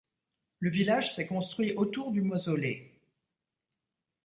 Le village s'est construit autour du mausolée.